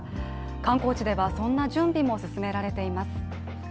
観光地では、そんな準備も進められています。